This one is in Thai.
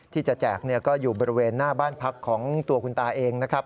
แจกก็อยู่บริเวณหน้าบ้านพักของตัวคุณตาเองนะครับ